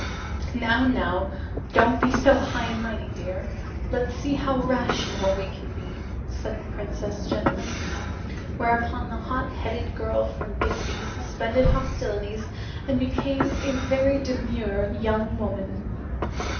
"Now, now, don't be so high and mighty, dear. Let us see how rational we can be," said the Princess gently. Whereupon the hot headed girl from Dixie suspended hostilities and became a very demure young woman.